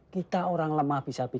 kita orang lemah bisa